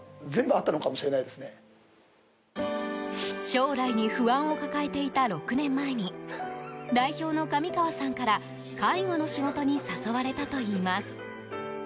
将来に不安を抱えていた６年前に代表の上河さんから介護の仕事に誘われたといいます。